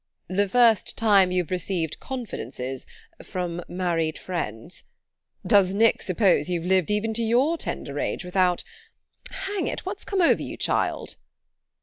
"The first time you've received confidences from married friends. Does Nick suppose you've lived even to your tender age without... Hang it, what's come over you, child?"